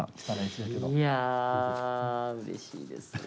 いやうれしいです。